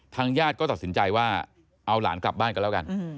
ญาติก็ตัดสินใจว่าเอาหลานกลับบ้านกันแล้วกัน